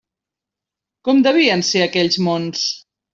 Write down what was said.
Com devien ser aquells mons?